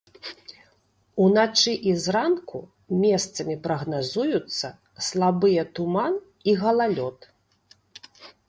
Уначы і зранку месцамі прагназуюцца слабыя туман і галалёд.